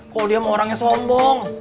kok dia sama orangnya sombong